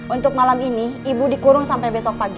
untuk malam ini ibu dikurung sampai besok pagi